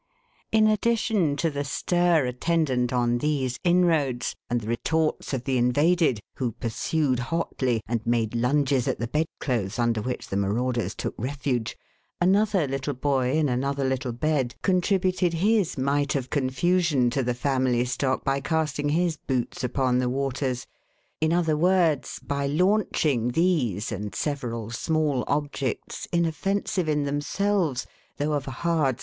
In addition to the stir attendant on these inroads, and the retorts of the invaded, who pursued hotly, and made lunges at the bed clothes, under which the marauders took refuge, another little boy, in another little bed, contributed his mite of confusion to the family stock, by casting his boots upon the waters; in other words, by launching these and several small objects inoffensive in themselves, though of a hard 448 THE HAUNTED MAN.